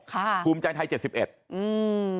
ภูมิใจไทยเจ็ดสิบเอ็ดอืม